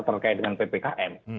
terkait dengan ppkm